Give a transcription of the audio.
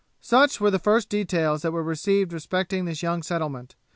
Such were the first details that were received respecting this young settlement.